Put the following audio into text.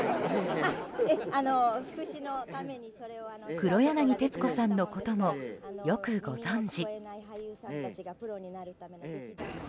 黒柳徹子さんのこともよくご存じ。